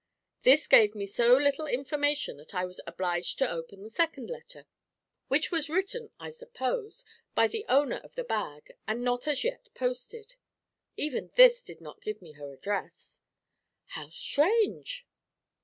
'This gave me so little information that I was obliged to open the second letter, which was written, I suppose, by the owner of the bag, and not as yet posted; even this did not give me her address.' 'How strange!'